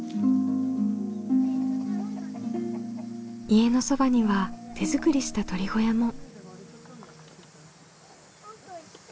家のそばには手作りした鶏小屋も。